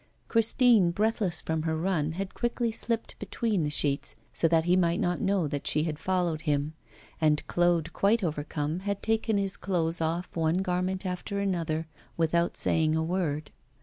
Christine, breathless from her run, had quickly slipped between the sheets so that he might not know that she had followed him; and Claude, quite overcome, had taken his clothes off, one garment after another, without saying a word.